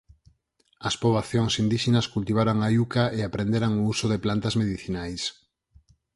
As poboacións indíxenas cultivaron a iuca e aprenderan o uso de plantas medicinais.